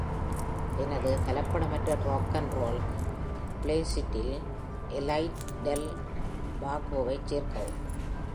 எனது கலப்படமற்ற rock & roll பிளேலிஸ்ட்டில் Elliot Del Borgoவைச் சேர்க்கவும்.